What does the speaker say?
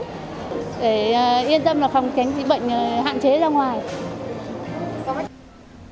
để yên tâm là phòng tránh dịch bệnh hạn chế ra ngoài